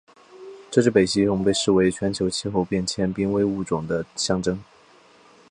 这只北极熊被视为全球气候变迁濒危物种的象征。